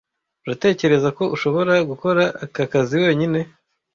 Uratekereza ko ushobora gukora aka kazi wenyine?